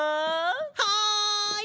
はい！